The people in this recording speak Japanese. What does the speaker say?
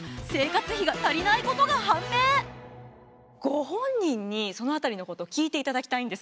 ご本人にその辺りのこと聞いていただきたいんです。